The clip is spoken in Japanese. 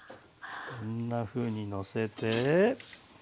こんなふうにのせて。